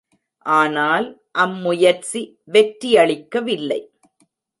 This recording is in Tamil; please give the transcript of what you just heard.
ஆனால் அம் முயற்சி வெற்றியளிக்கவில்லை.